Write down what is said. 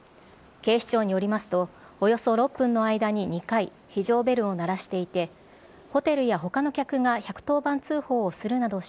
警視庁によりますとおよそ６分の間に２回非常ベルを鳴らしていてホテルや他の客が１１０番通報するなどし